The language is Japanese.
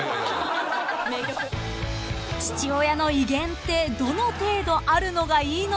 ［父親の威厳ってどの程度あるのがいいのでしょうか？］